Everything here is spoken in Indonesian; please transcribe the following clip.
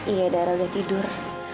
iya dara udah tidur